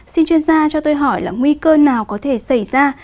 xin chuyên gia cho tôi hỏi là nguy cơ nào có thể xảy ra